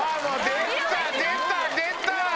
出た！